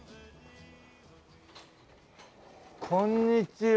こんにちは。